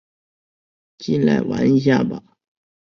进来玩一下吧